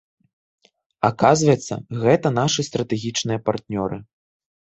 Аказваецца, гэта нашы стратэгічныя партнёры.